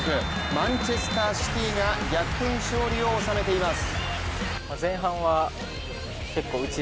マンチェスターシティが逆転勝利を収めています。